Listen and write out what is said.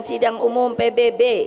sidang umum pbb